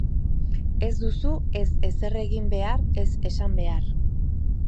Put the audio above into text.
Ez duzu ez ezer egin behar ez esan behar.